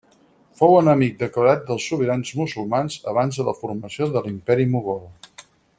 Fou enemic declarat dels sobirans musulmans abans de la formació de l'Imperi Mogol.